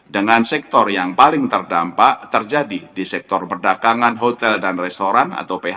dengan sektor yang paling terdampak terjadi di sektor perdagangan hotel dan restoran atau phk